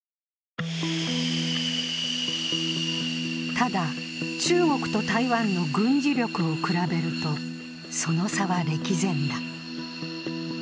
ただ、中国と台湾の軍事力を比べると、その差は歴然だ。